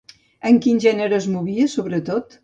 En quin gènere es movia, sobretot?